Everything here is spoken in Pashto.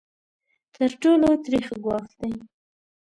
تر ټولو تریخ ګواښ دی.